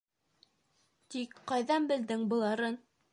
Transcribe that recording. Тик ҡайҙан белдең быларын?..